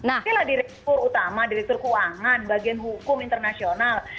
oke lah direktur utama direktur keuangan bagian hukum internasional